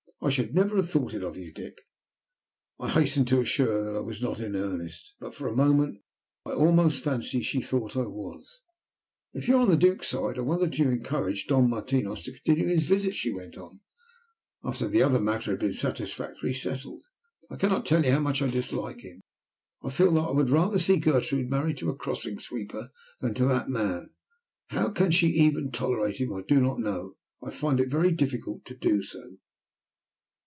I should never have thought it of you, Dick." I hastened to assure her that I was not in earnest, but for a moment I almost fancy she thought I was. "If you are on the Duke's side I wonder that you encourage Don Martinos to continue his visits," she went on, after the other matter had been satisfactorily settled. "I cannot tell you how much I dislike him. I feel that I would rather see Gertrude married to a crossing sweeper than to that man. How she can even tolerate him, I do not know. I find it very difficult to do so."